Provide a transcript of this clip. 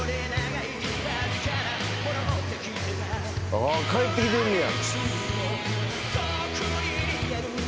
「ああー帰ってきてんねや」